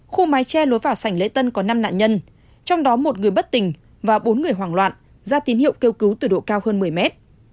khu mái tre lối vào sảnh lễ tân có năm nạn nhân trong đó một người bất tỉnh và bốn người hoảng loạn ra tín hiệu kêu cứu từ độ cao hơn một mươi mét